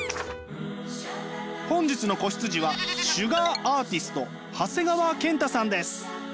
本日の子羊はシュガーアーティスト長谷川健太さんです。